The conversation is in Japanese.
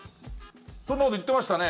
そんなこと言ってましたね。